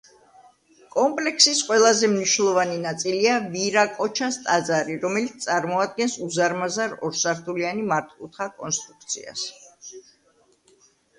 კომპლექსის ყველაზე მნიშვნელოვანი ნაწილია ვირაკოჩას ტაძარი, რომელიც წარმოადგენს უზარმაზარ, ორსართულიანი მართკუთხა კონსტრუქციას.